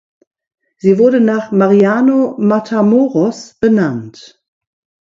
Sie wurde nach Mariano Matamoros benannt.